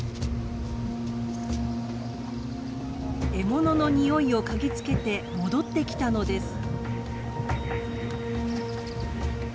獲物のニオイを嗅ぎつけて戻ってきたのです。